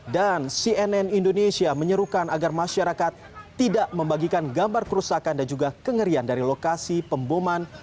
dan cnn indonesia menyerukan agar masyarakat tidak membagikan gambar kerusakan dan juga kengerian dari lokasi pemboman